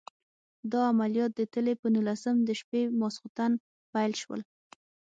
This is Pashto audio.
دا عملیات د تلې په نولسم د شپې ماخوستن پیل شول.